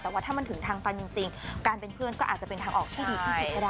แต่ว่าถ้ามันถึงทางฟันจริงการเป็นเพื่อนก็อาจจะเป็นทางออกที่ดีที่สุดก็ได้